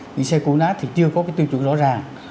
những cái xe cũ nát thì chưa có cái tư chữ rõ ràng